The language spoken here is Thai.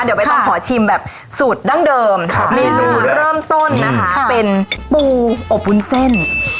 เดี๋ยวใบต้องขอชิมแบบสูตรดั้งเดิมเมนูเริ่มต้นนะคะเป็นปูอบวุ้นเส้น